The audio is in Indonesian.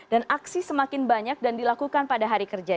dan aksi semakin banyak dan dilakukan pada hari kerja